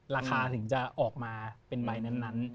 ราคาถึงจะออกมาเป็นใบนั้น